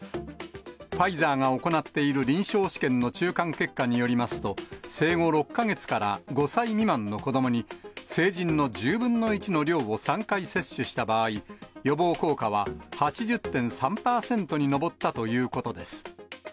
ファイザーが行っている臨床試験の中間結果によりますと、生後６か月から５歳未満の子どもに、成人の１０分の１の量を３回接種した場合、予防効果は８０．３％に上ったということです。